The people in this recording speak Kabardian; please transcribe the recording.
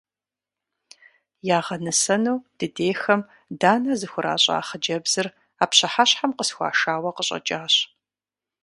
Ягъэнысэну дыдейхэм данэ зыхуращӀа хъыджэбзыр а пщыхьэщхьэм къысхуашауэ къыщӀэкӀащ.